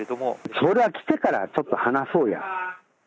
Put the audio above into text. それは来てからちょっと話そうや。